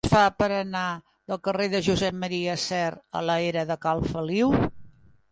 Com es fa per anar del carrer de Josep M. Sert a la era de Cal Feliu?